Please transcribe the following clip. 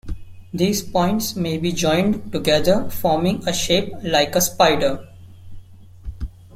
These points may be joined together forming a shape like a spider.